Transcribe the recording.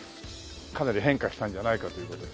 かなり変化したんじゃないかという事で。